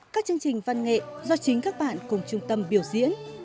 các chương trình văn nghệ do chính các bạn cùng trung tâm biểu diễn